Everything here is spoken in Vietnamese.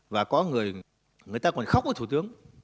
và có người người ta còn khóc với thủ tướng